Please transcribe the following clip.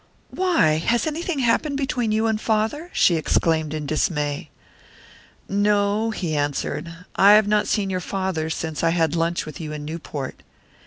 "Why! Has anything happened between you and father?" she exclaimed in dismay. "No," he answered; "I have not seen your father since I had lunch with you in Newport."